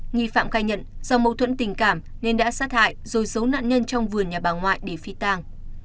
nhi phạm gai nhận do mâu thuẫn tình cảm nên đã sát hại rồi giấu nạn nhân trong vườn nhà bà ngoại để phi tang